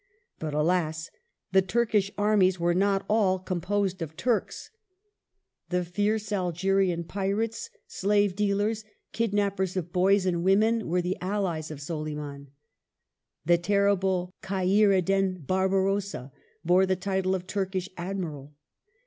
But alas ! the Turkish armies were not all composed of Turks. The fierce CHANGES. 159 Algerian pirates, slave dealers, kidnappers of boys and women, were the allies of Soliman, The terrible Khair Eddin Barbarossa bore the title of Turkish Admiral.